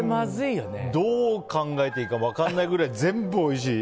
どう考えていいか分からないぐらい全部、おいしい。